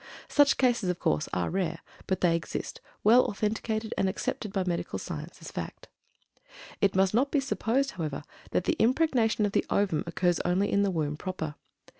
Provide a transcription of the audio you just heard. Such cases, of course, are rare, but they exist, well authenticated and accepted by medical science as facts. It must not be supposed, however, that the impregnation of the ovum occurs only in the womb proper.